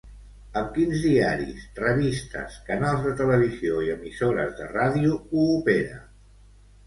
Amb quins diaris, revistes, canals de televisió i emissores de ràdio coopera?